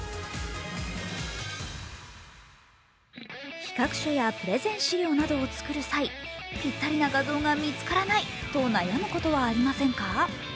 企画書やプレゼン資料などを作る際、ぴったりな画像が見つからないと悩むことはありませんか？